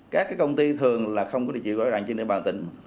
các công ty thường là không có địa chỉ gọi rạng trên địa bàn tỉnh